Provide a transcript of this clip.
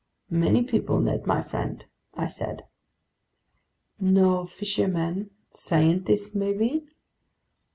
"Many people, Ned my friend," I said. "No fishermen. Scientists maybe!"